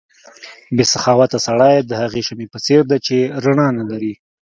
بې سخاوته سړی د هغې شمعې په څېر دی چې رڼا نه لري.